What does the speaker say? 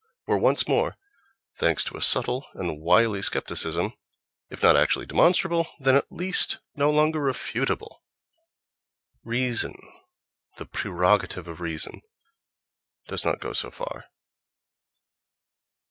were once more, thanks to a subtle and wily scepticism, if not actually demonstrable, then at least no longer refutable.... Reason, the prerogative of reason, does not go so far....